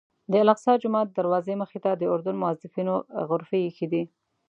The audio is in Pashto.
د الاقصی جومات دروازې مخې ته د اردن موظفینو غرفې ایښي دي.